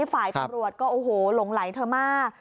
ฝ่ายตำรวจก็โอ้โหหลงไหลเธอมาก